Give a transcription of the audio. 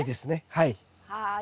はい。